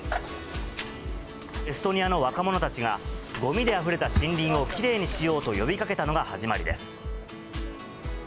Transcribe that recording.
エストニアの若者たちが、ごみであふれた森林をきれいにしようと呼びかけたのが始まりです。